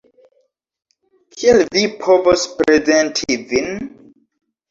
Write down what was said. Kiel vi povos prezenti vin?